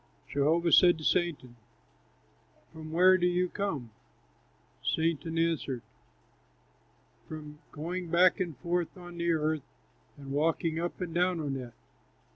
Jehovah said to Satan, "From where do you come?" Satan answered, "From going back and forth on the earth, and walking up and down on it."